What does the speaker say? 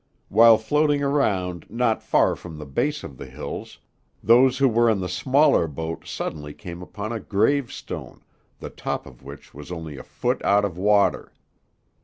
While floating around not far from the base of the hills, those who were in the smaller boat suddenly came upon a gravestone, the top of which was only a foot out of water.